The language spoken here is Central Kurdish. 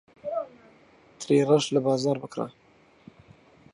ترێی ڕەش لە بازاڕ بکڕە.